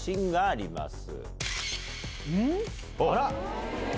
あら！